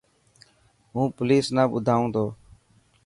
هون پوليس نا ٻڌائون تو.